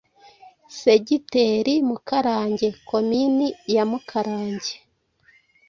Segiteri Mukarange, Komini ya Mukarange